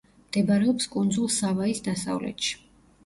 მდებარეობს კუნძულ სავაის დასავლეთში.